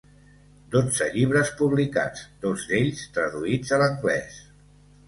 Dotze llibres publicats, dos d'ells traduïts a l'anglès.